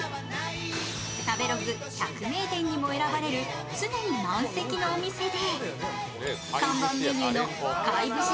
食べログ百名店にも選ばれる常に満席のお店で看板メニューの貝節